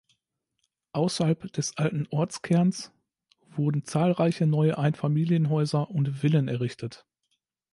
Außerhalb des alten Ortskerns wurden zahlreiche neue Einfamilienhäuser und Villen errichtet.